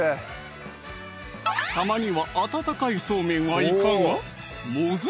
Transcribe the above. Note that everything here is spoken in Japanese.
たまには温かいそうめんはいかが？